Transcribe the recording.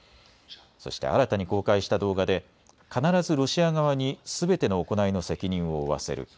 そして新たに公開した動画で必ずロシア側にすべての行いの責任を負わせる。